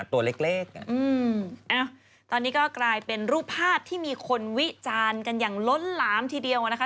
ตัวเล็กตอนนี้ก็กลายเป็นรูปภาพที่มีคนวิจารณ์กันอย่างล้นหลามทีเดียวนะคะ